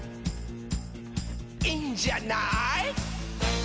「いいんじゃない？」